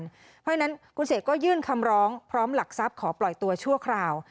เพราะฉะนั้นคุณเสกก็ยื่นคำร้องพร้อมหลักทรัพย์ขอปล่อยตัวชั่วคราว